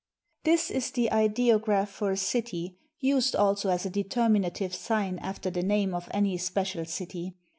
This is the ideograph for a city f^^ used also as a determinative sign after the name nc>^ of any special city.